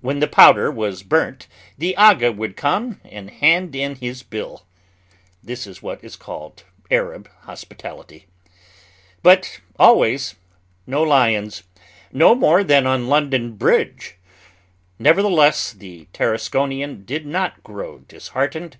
When the powder was burnt, the agha would come and hand in his bill. This is what is called Arab hospitality. But always no lions, no more than on London Bridge. Nevertheless, the Tarasconian did not grow disheartened.